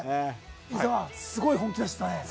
伊沢、すごい本気出してたね。